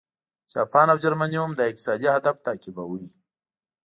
جاپان او جرمني هم دا اقتصادي هدف تعقیبوي